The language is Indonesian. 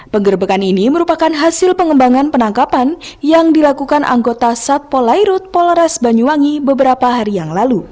penggerbekan ini merupakan hasil pengembangan penangkapan yang dilakukan anggota satpolairut polores banyuwangi beberapa hari yang lalu